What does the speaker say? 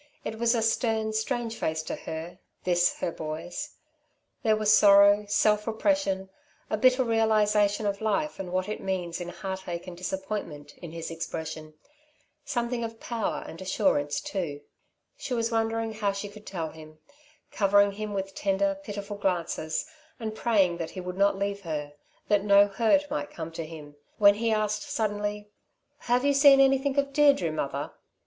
It was a stern, strange face to her, this her boy's. There were sorrow, self repression, a bitter realisation of life and what it means in heartache and disappointment, in his expression; something of power and assurance too. She was wondering how she could tell him, covering him with tender, pitiful glances, and praying that he would not leave her, that no hurt might come to him, when he asked suddenly: "Have you seen anything of Deirdre, mother?"